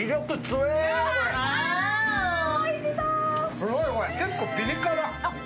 すごい、これ結構ピリ辛。